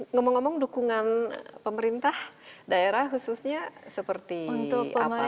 ngomong ngomong dukungan pemerintah daerah khususnya seperti untuk apa